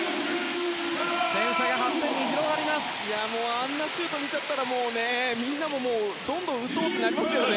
あんなシュートを見ちゃったらみんなどんどん打とうってなりますよね。